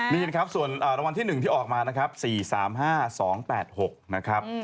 มีเห็นครับส่วนรางวัลที่หนึ่งที่ออกมานะครับ